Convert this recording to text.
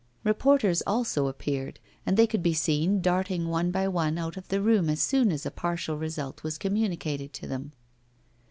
Reporters also appeared; and they could be seen darting one by one out of the room as soon as a partial result was communicated to them.